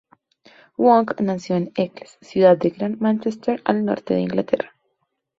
Wong nació en Eccles, ciudad de Gran Mánchester al noroeste de Inglaterra.